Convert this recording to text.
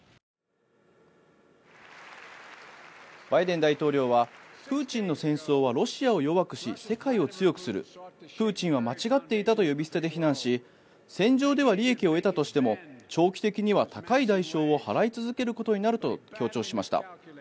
バイデン大統領はプーチンの戦争はロシアを弱くし世界を強くするプーチンは間違っていたと呼び捨てで非難し戦場では利益を得たとしても長期的には高い代償を払い続けることになると強調しました。